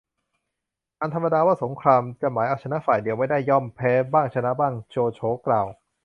อันธรรมดาว่าสงคราม จะหมายเอาชนะฝ่ายเดียวไม่ได้ ย่อมแพ้บ้างชนะบ้าง โจโฉกล่าว